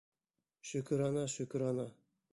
— Шөкөрана, шөкөрана.